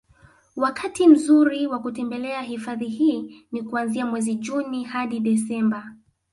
Wakati mzuri wa kutembelea hifadhi hii ni kuanzia mwezi Juni hadi Desemba